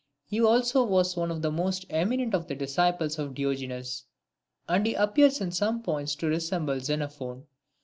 He also was one of the most eminent of the disciples of Diogenes. II. And he appears in some points to resemble Xenophon.